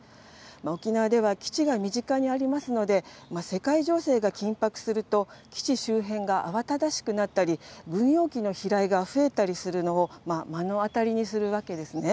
沖縄では基地が身近にありますので、世界情勢が緊迫すると、基地周辺が慌ただしくなったり、軍用機の飛来が増えたりするのを目の当たりにするわけですね。